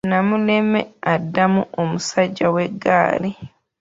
Namuleme addamu, omusajja w'eggaali